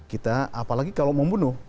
kita apalagi kalau membunuh